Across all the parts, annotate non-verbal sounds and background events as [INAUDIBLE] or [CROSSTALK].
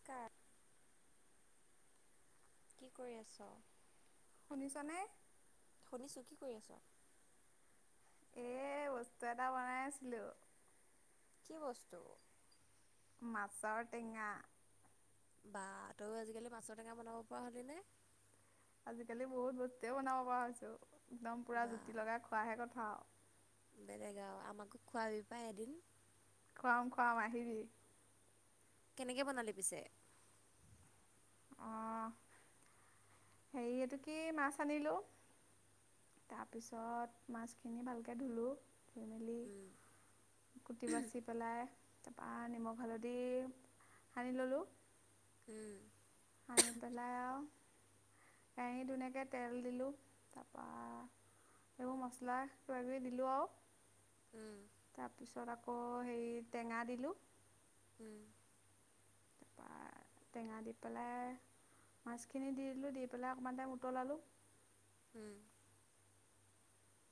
Scar কি কৰি আছ'? শুনিছ নে? শুনিছোঁ, কি কৰি আছ'? এ বস্তু এটা বনাই আছিলোঁ। কি বস্তু? মাছৰ টেঙা। বা তয়ো আজিকালি মাছৰ টেঙা বনাব পৰা হ'লি নে? আজিকালি বহুত বস্তুৱে বনাব পৰা হৈছো। একদম পুৰা বা জুতি লগাই খোৱাহে কথা আৰু। বেলেগ আৰু, আমাকো খোৱাবি পাই এদিন। খুৱাম-খুৱাম আহিবি। কেনেকে বনালি পিছে? অ হেৰি এইটো কি মাছ আনিলোঁ তাৰপিছত মাছখিনি ভালকে ধুলো ধুই মেলি উম কুটি-বাচি পেলাই তাৰপা নিমখ, হালধি সানি ললোঁ। উম। সনি পেলাই আৰু কেৰাহীত ধুনীয়াকে তেল দিলোঁ, তাৰপৰা এইবোৰ মছলা কিবা-কিবি দিলো আৰু উম তাৰপিছত আকৌ হেৰি টেঙা দিলো। উম। আ টেঙা দি পেলাই মাছখিনি দি দিলোঁ দি পেলাই অকণমান টাইম উতলালোঁ। উম।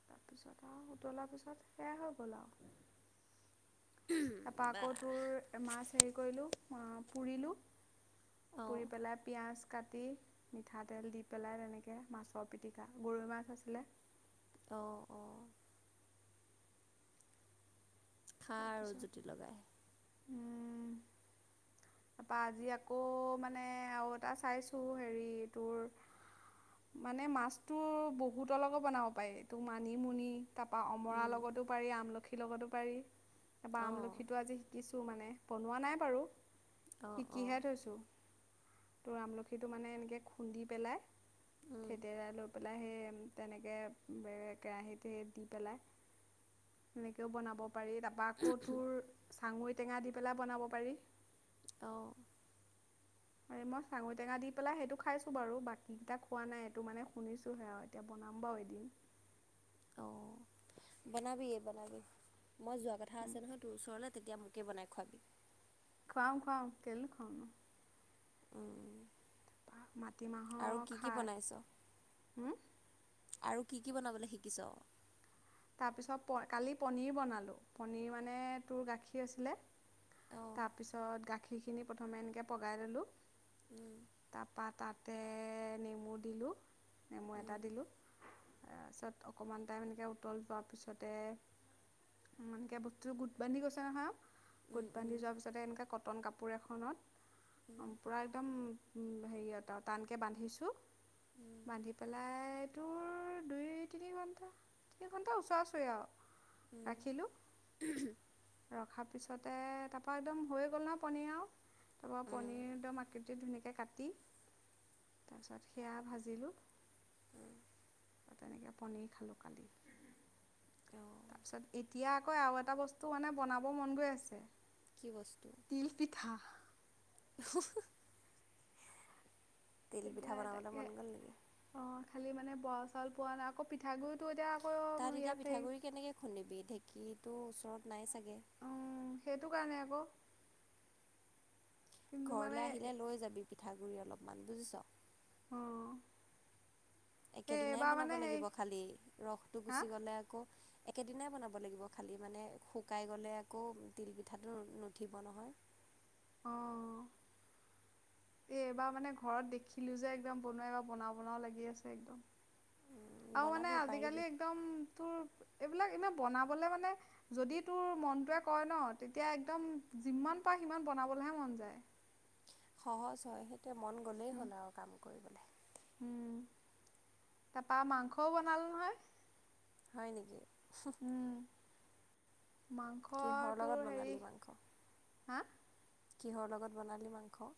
তাৰপিছত আৰু উতলাৰ পিছত সেয়া হৈ গ'ল আৰু। তাৰপা উম আকৌ বাহ তোৰ মাছ হেৰি কৰিলোঁ অ পুৰিলোঁ। অঁ পুৰি পেলাই পিঁয়াজ কাটি মিঠাতেল দি পেলাই তেনেকে মাছৰ পিটিকা, গৰৈ মাছ আছিলে। অ। খা আৰু জুতি লগাই। উম। তাৰপা আজি আকৌ মানে আৰু এটা চাইছোঁ হেৰি তোৰ মানে মাছটো বহুতৰ লগত বনাব পাৰি এইটো মানিমুনি তাৰপা অমৰা উম লগতো পাৰি, আমলখিৰ লগতো পাৰি। তাৰপা অঁ আমলখিটো আজি শিকিছোঁ মানে বনোৱা নাই বাৰু, অঁ অঁ শিকিহে থৈছোঁ। তোৰ আমলখিটো মানে এনেকে খুন্দি পেলাই উম থেদেৰাই লৈ পে লাই সেই তেনেকে কেৰাহীত সেই দি পেলাই সেনেকেও বনাব পাৰি। তাৰপা আকৌ তোৰ চাঙৈ টেঙা দি পেলাই বনাব পাৰি। অ। আৰে মই চাঙৈ টেঙা দি পেলাই সেইটো খাইছোঁ বাৰু বাকীকেইটা খোৱা নাই এইটো মানে শুনিছোঁহে আও এতিয়া বনাম বাৰু এদিন। অ', বনাবি, বনাবি মই যোৱা কথা আছে নহয় তোৰ ওচৰলে। তেতিয়া মোকেই বনাই খোৱাবি। খোৱাম, খোৱাম কেলে নোখোৱাম নো? উম। তাৰপৰা আৰু মাটিমাহৰ কি কি খাৰ, বনাইছ উম! আৰু কি, কি বনাবলে শিকিছ? তাৰপিছত কালি পনীৰ বনালোঁ। পনীৰ মানে তোৰ গাখীৰ আছিলে! অ'। তাৰপিছত গাখীৰখিনি প্ৰথমে এনেকে পগাই ল'লো। উম, তাৰপা তাতে নেমু দিলোঁ। নেমু এটা উম, দিলোঁ, তাৰপিছত অকণমান টাইম এনেকে উতল পোৱাৰ পিছতে অকমানকে বস্তুটো গোট বান্ধি গৈছে নহয় আৰু! উম, গোট বান্ধি যোৱাৰ উম, পিছতে এনেকে কটন কাপোৰ এখনত উম, উম, পুৰা একদম উম, হেৰিয়ত টানকে বান্ধিছোঁ উম, বান্ধি পেলাই তোৰ দুই তিনি ঘণ্টা তিনি ঘণ্টা ওচৰা ওচৰি আৰু উম, ৰাখিলোঁ। [INAUDIBLE] ৰখাৰ পিছতে তাৰপা একদম হৈ গ'ল নহয় পনীৰ আৰু। তাৰপা পনীৰ একদম আঁক ধুনীয়াকৈ কাটি, তাৰপিছত সেয়া ভাজিলোঁ। [INAUDIBLE] তেনেকে পনীৰ খালোঁ কালি। অ'। তাৰপিছত এতিয়া আকৌ আৰু এটা বস্তু মানে বনাব মন গৈ আছে। কি বস্তু? তিল পিঠা। [INAUDIBLE] তেল পিঠা এতিয়া বনাবলৈ তাকে মন গ'ল নেকি? অ', খালি মানে বৰা চাউল পোৱা নাই। আকৌ পিঠাগুড়িটো এতিয়া তাত আকৌ এতিয়া ইয়াতেই পিঠাগুড়ি কেনেকৈ খুন্দিবি, ঢেঁকীতো ওচৰত নাই চাগে! উম, সেইটোকাৰণে আকৌ। কিন্তু ঘৰলে মানে আহিলে লৈ যাবি পিঠাগুৰি অলপমান বুজিছ! অঁ এই একেদিনাই এইবাৰ বনাব মানে সেই লাগিব খালি, ৰসটো হা গুচি গ'লে আকৌ একেদিনাই বনাব লাগিব খালী, মানে শুকাই গ'লে আকৌ তিলপিঠাটো নুঠিব নহয়। অ'। এইবাৰ মানে ঘৰত দেখিলোঁ যে একদম বনোৱা, এইবাৰ বনাওঁ, বনাওঁ লাগি আছে একদম। আৰু মানে বনাবি পাৰিবি। আজিকালি একদম তোৰ এইবিলাক এনে বনাবলে মানে যদি তোৰ মনটোৱে কয় ন' তেতিয়া একদম যিমান পায় সিমান বনাবলৈহে মন যায়। সহজ হয়, সেইটোৱে মন গ'লেই উম হ'ল আৰু কাম কৰিবলে। উম, তাৰাপা মাংসও বনালোঁ নহয়। হয়, নেকি! উম, মাংস। কিহৰ তোৰ লগত হেৰি বনালি মাংস? হা! কিহৰ লগত বনালি মাংস?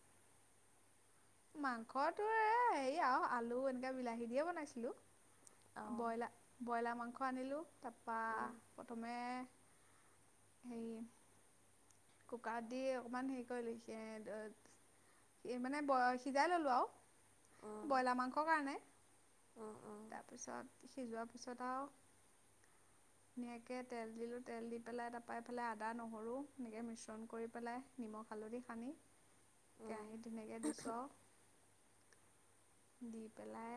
মাংস তোৰ এ, হেৰি আৰু আলু এনেকে বিলাহী দিয়ে বনাইছিলোঁ, অঁ ব্ৰইলা। ব্ৰইলাৰ মাংস আনিলোঁ তাপা উম প্ৰথমে হেৰি কুকাৰত দি অকমান হেৰি কৰি এই মানে ব সিজাই ল'লোঁ উম আৰু ব্ৰইলাৰ মাংসৰ কাৰণে উম উম তাৰপিছত সিজোৱাৰ পিছত আও ধুনীয়াকে তেল দিলোঁ, তেল দি পেলাই তাপা এইফালে আদা নহৰু। এনেকে মিশ্ৰণ কৰি পেলাই নিমখ হালধি সানি উম কেৰাহীত ধুনীয়াকে দিছোঁ আও দি পেলাই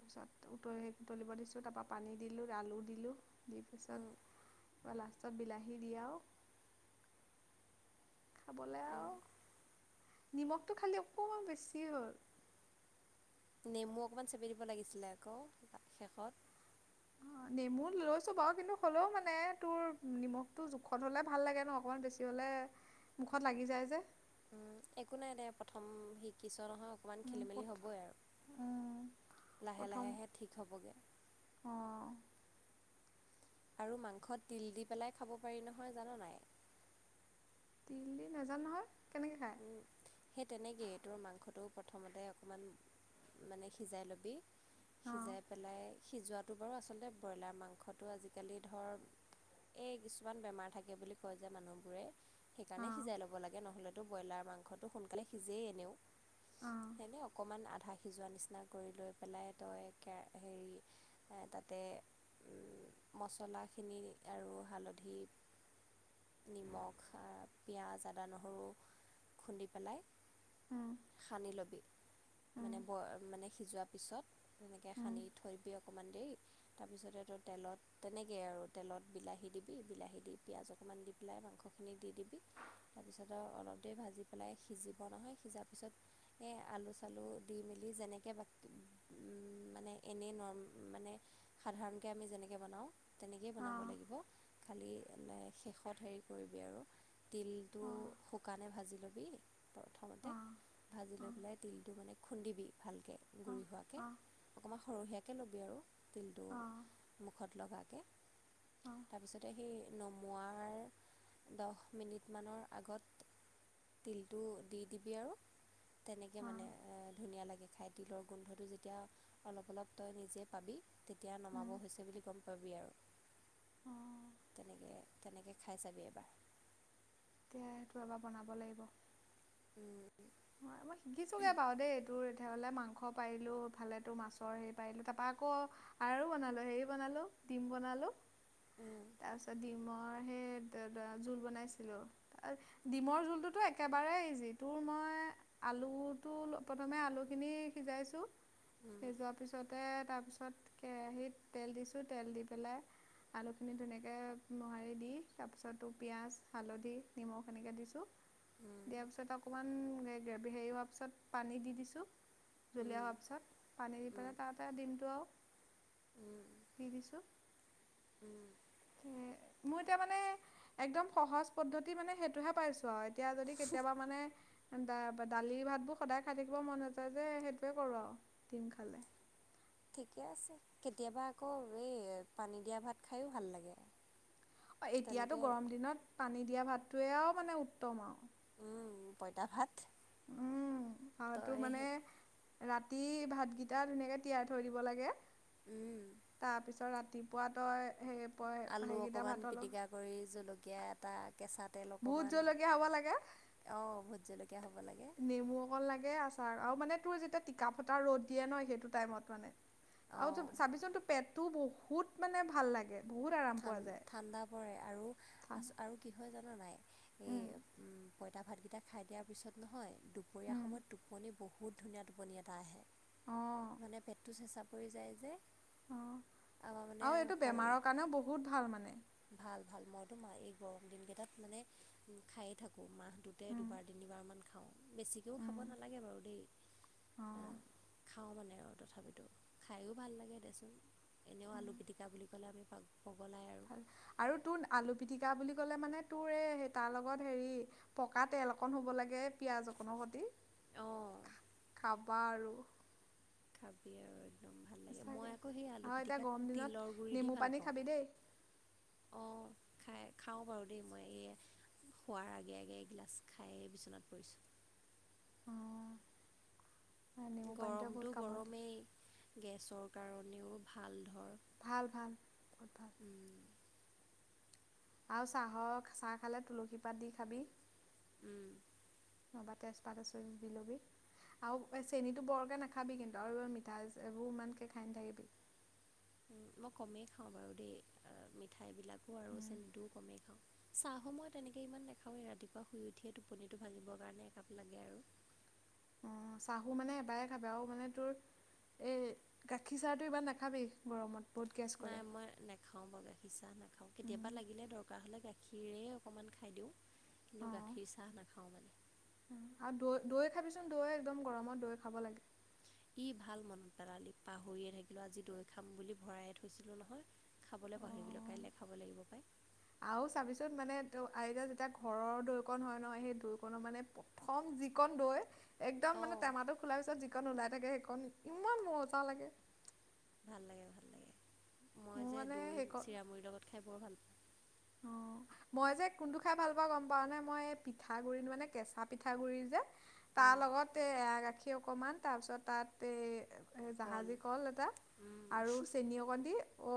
তাৰপিছত উতল উতলিব দিছোঁ, তাপা পানী দিলোঁ, আলু দিলোঁ, দি উম পিছত তাপা লাষ্টত বিলাহি দি আও খাবলে উম আও, নিমখটো খালি অকমান বেছি হ'ল। নেমু অকণমান চেপি দিব লাগিছিলে আকৌ শেষত। অ নেমু লৈছো বাৰু কিন্তু হ'লেও মানে তোৰ নিমখটো জোখত হলে ভাল লাগে ন, অকনমান বেছি বলে মুখত লাগি যায় যে। উম, একো নাই দে, প্ৰথম শিকিছ নহয়। অকণমান উম, খেলি মেলি প্ৰথ হ'বই আৰু, উম, লাহে লাহেহে ঠিক হ'বগে। অ'। আৰু মাংসত তিল দি পেলাই খাব পাৰি নহয় জান নাই? তিল দি নাজানো নহয়। কেনেকে খায়? সেই তেনেকে, তোৰ মাংসটো প্ৰথমতে অকণমান মানে সিজাই ল'বি, অঁ সিজাই পেলাই। সিজোৱাটো বাৰু আচলতে ব্ৰইলাৰ মাংসটো আজিকালি ধৰ এই কিছুমান বেমাৰ থাকে বুলি কয় যে মানুহবোৰে। সেইকাৰণে অঁ সিজাই ল'ব লাগে, নহ'লেতো ব্ৰইলাৰ মাংসটো সোনকালে সিজেই এনেও। অঁ এনে অকণমান আধা সিজোৱা নিচিনা কৰি লৈ পেলাই তই কে হেৰি তাতে মছলাখিনি আৰু হালধি নিমখ, পিঁয়াজ, আদা, নহৰু। খুন্দি পেলাই, অঁ খানি লবি মানে ব সিজোৱাৰ পিছত তেনেকে সানি থৈ দিবি অকণমান দেৰি, তাৰপিছতে তোৰ তেলত তেনেকেই আৰু তেলত বিলাহী দিবি, বিলাহী দি পিঁয়াজ অকণমান দি পেলাই মাংসখিনি দি দিবি। তাৰপিছত আৰু অলপ দেৰি ভাজি পেলাই সিজিব নহয়, সিজাৰ পিছত সেই আলু চালু দি মেলি যেনেকে বাকী উম, মানে এনেই ন মানে সাধাৰণকে আমি যেনেকে বনাওঁ, তেনেকেই বনাব লাগিব। খালি শেষত হেৰি কৰিবি আৰু। তিলটো শুকানে ভাজি ল'বি প্ৰথমতে, ভাজি লৈ পেলাই তিলটো মানে খুন্দিবি ভালকে গুৰি হোৱাকে, অকণমান সৰহীয়াকৈ ল'বি আৰু। তিলটো অঁ মুখত লগাকে। তাৰপিছতে সেই নমোৱাৰ দহ মিনিটমানৰ আগত তিলটো দি দিবি আৰু, তেনেকে মানে ধুনীয়া লাগে খায়। তিলৰ গোন্ধটো যেতিয়া অলপ অলপ তই নিজে পাবি। তেতিয়া নমাব হৈছে বুলি গম পাবি আৰু। তেনেকে, তেনেকে খায় চাবি এবাৰ। তিয়া হেতু এবাৰ বনাব লাগিব। উম। হয় মই শিকিছোঁগৈ বাৰু দেই এই তোৰ এতিয়া হলে মাংস পাৰিলোঁ, ইফালে তোৰ মাছৰ হেৰি পাৰিলোঁ, তাৰপৰা আকৌ আৰু বনালো হেৰি বনালো ডিম বনালো, উম তাৰপিছত ডিমৰ সেই- তে তে জোল বনাইছিলো, ডিমৰ জোলটোতো একেবাৰে ইজি, তোৰ মই- আলুটো প্ৰথমে আলুখিনি সিজাইছোঁ, উম সিজোৱাৰ পিছত- তাতে তাৰপিছত কেৰাহীত তেল দিছোঁ তেল দি পেলাই- আলুখিনি ধুনীয়াকৈ মোহাৰি দি তাৰপিছ তো পিঁয়াজ, হালধি, নিমখ এনেকে দিছোঁ- উম দিয়াৰ পিছত অকমান গ্ৰে হেৰি হোৱাৰ পিছত পানী দি দিছোঁ- উম জুলিয়া হোৱাৰ পিছত, পানী দি উম পেলাই তাতে ডিমটো আৰু উম দি দিছোঁ। উম' এ মোৰ এতিয়া মানে একদম সহজ পদ্ধতি মানে সেইটোহে পাইছো আও। এতিয়া যদি কেতিয়াবা মানে- দালি ভাতবোৰ সদায় খাই থাকিব মন নাযায় যে সেইটোৱে কৰোঁ আৰু ডিম খালে। ঠিকে আছে। কেতিয়াবা আকৌ এই পানী দিয়া ভাত খায়ো ভাল লাগে। এতিয়াতো তেনেকে গৰম দিনত পানী দিয়া ভাতটোৱে আও মানে উত্তম আও। উম' পঁইতা ভাত- উম' অঁ' তো তই মানে ৰাতি ভাত গিটা ধুনীয়াকে তিয়াই থৈ দিব লাগে- উম, তাৰপিছত ৰাতিপুৱা তই, হেই পয় সেইগিটা ভাতৰ লগত- গৰী জলকীয়া এটা, কেঁচা তেল ভোট অকমান- জলকীয়া হ'ব লাগে। অঁ' ভোট জলকীয়া হ'ব লাগে। নেমু অকন লাগে, আচাৰ আৰু মানে তোৰ যেতিয়া টিকা ফটা ৰ'দ দিয়ে ন, সেইটো টাইমত মানে- আৰু অঁ তো চাবিচোন তোৰ পেটটো বহুত মানে ভাল লাগে। বহুত আৰাম ঠান পোৱা যায় ঠাণ্ডা পৰে, আৰু আছ ঠাণ্ডা আৰু কি হয় জানা নাই? উম এই- পইতা ভাতকেইটা খাই দিয়াৰ পিছত নহয়, দুপৰীয়া উম সময়ত টো- টোপনি, বহুত ধুনীয়া টোপনি এটা আহে, অঁ মানে পেটটো চেঁচা পৰি যায় যে। অঁ' আমাৰ মানে আৰু এইটো শৰীৰ বেমাৰৰ কাৰণেও বহুত ভাল মানে। ভাল ভাল, মইতো মা এই গৰম দিনকেইটাত মানে খায়ে থাকোঁ, মাহটোতে উম দুবাৰ- তিনিবাৰমান খাওঁ, বেছিকেও উম খাব নালাগে বাৰু দেই। অঁ খাওঁ মানে আৰু তথাপিতো, খায়ো ভাল লাগে দেচোন, এনেও আলু পিটিকা বুলি ক'লে আমি পাগ- পগলায় আৰু। ভাল আৰু তোৰ আলু পিটিকা বুলি ক'লে মানে, তোৰ তাৰ লগত হেৰি- পকা তেল অকণ হ'ব লাগে, পিঁয়াজ অকনৰ সতি, অঁ খাবা আৰু। খাবি আৰু। একদম ভাল লাগে সচাকে, মই আকৌ সেই আলু আৰু এতিয়া পিটিকাত গৰম দিনত তিলৰ গুড়ি দি নেমু ভাল পানী পাওঁ খাবি দেই। অঁ খাই, খাওঁ বাৰু দেই মই এইয়া শুৱাৰ আগে আগে এগিলাচ খাইয়ে বিচনাত পৰিছোঁ। অঁ' নেমু পানীটোৱে বহুত গৰমটো কামত দিয়ে গৰমেই, গেছৰ কাৰণেও ভাল ধৰ। ভাল ভাল, বহুত ভাল। আৰু চাহৰ, চাহ খালে তুলসী পাত দি খাবি। উম' নহ'বা, তেজপাত আছে যদি দি ল'বি। আৰু এ চেনীটো বৰকে নাখাবি কিন্তু, আৰু এই মিঠা এইবোৰ ইমানকে খাই নাথাকিবি। উম' মই কমেই খাওঁ বাৰু দেই, আ মিঠা এইবিলাকো আৰু চেনিটোও কমেই খাওঁ। চাহো মই তেনেকে ইমান নাখাঁৱেই, ৰাতিপুৱা শুই উঠিয়ে টোপনিটো ভাঙিবৰ কাৰণে একাপ লাগে আৰু। অঁ' চাহো মানে এবাৰে খাবা আৰু মানে তোৰ- এই গাখীৰ চাহটো ইমান নাখাবি গৰমত। বহুত গেছ কৰে নাই মই নাখাও বাৰু গাখীৰ চাহ নাখাওঁ কেতিয়াবা লাগিলে দৰ কাৰ হ'লে গাখীৰেই অকণমান খাই দিওঁ কিন্তু অঁ গাখীৰ চাহ নাখাওঁ মানে। আৰু দৈ দৈ খাবিচোন দৈ একদম গৰমত দৈ খাব লাগে। কি ভাল মনত পেলালি, পাহৰিয়ে থাকিলো আজি দৈ খাম বুলি ভৰায়ে থৈছিলো নহয়। খাবলৈ পাহৰি গলোঁ, অঁ কাইলৈ খাব লাগিব পায়। আৰু চাবিচোন মানে তো আজিটো যেতিয়া ঘৰৰ দৈকণ হয় নহয় সেই দৈ কণো মানে থন যিকণ দৈ। একদম মানে অঁ টেমাটো খোলাৰ পিছত যিকন ওলাই থাকে সেইকণ ইমান মজা লাগে। ভাল লাগে, ভাল লাগে, মই মোৰ যে মানে দৈ সেইকণ চিৰা মুৰি লগত খাই বৰ ভাল অ। মই যে কোনটো খাই ভাল পাওঁ গম পাওঁ নে, মই পিঠাগুৰি মানে কেঁচা পিঠাগুৰি যে তাৰ উম লগত এই গাখীৰ অকমান তাৰ পিছত তাত এ জাহাজী কল এটা উম আৰু চেনী অকন দি, অ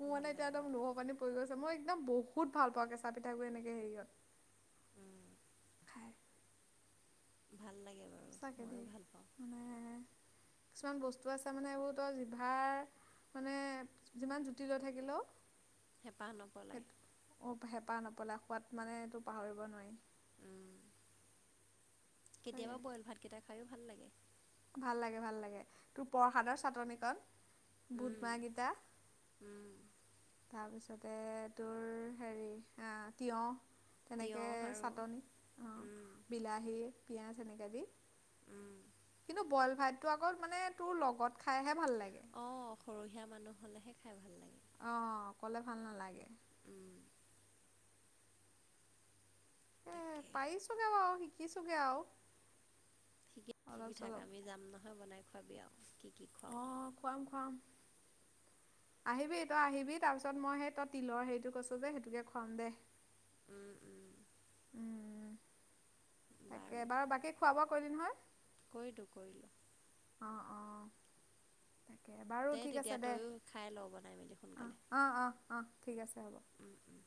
মোৰ ভাল মানে এতিয়া লাগে একদম ভাল লাগে লোভৰ পানী পৰি গৈছে, মই একদম বহুত ভাল পাওঁ কেচা পিঠাগুৰি এনেকে হেৰিয়ত। উম। খায়। ভাল লাগে বা সঁচাকে দেই। মানে কিছুমান বস্তু আছে মানে এইবোৰ তই জিভাৰ। মানে যিমান জুতি লৈ থাকিলেও হেঁপাহ নপলায়। অ হেঁপাহ নপলাই সোৱাদ মানে ইটো পাহৰিব নোৱাৰি। উম, সঁচাকে কেতিয়াবা বইল ভাতকেইটা খায়ো ভাল লাগে। ভাল লাগে ভাল লাগে তোৰ প্ৰসাদৰ চাটনিকন। বুত উম, মাহ গীটা। উম, তাৰপিছতে তোৰ হেৰি আ তিয়হ। তেনেকে তিয়ঁহ আৰু চাটনি অঁ উম, বিলাহী পিঁয়াজ এনেকৈ দি। উম, কিন্তু বইল ভাত টো আগত মানে তোৰ লগত খাইহে ভাল লাগে। অঁ সৰহীয়া মানুহ হ'লেহে খাই ভাল লাগে। অঁ অকলে ভাল নালাগে। উম, এ তাকে পাইছোগে বা শিকিছোগে আও। শিকি শিকি থাক আমি যাম নহয় বনাই খোৱাবি আৰু কি কি খোৱাওঁ। অ', খুৱাম খুৱাম। আহিবি তই আহিবি তাৰপিছত মই সেই তই তিলৰ হেৰিটো কৈছ যে সেইটোকে খুৱাম দে। উম, উম, উম, তাকে, বাৰু বাকী খোৱা বোৱা কৰিলি নহয়? কৰি দু কৰিলোঁ। অঁ অঁ তাকে, বাৰু দে ঠিক আছে তেতিয়া দে। তয়ো খাই ল বনাই মেলি অঁ। সোনকালে অ অ অ ঠিক আছে হ'ব। উম উম।